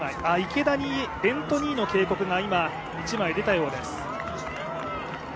池田にベント・ニーの警告が今、１枚出たようです。